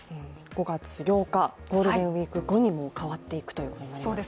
５月８日、ゴールデンウイーク後にもう、変わっていくということになりますね。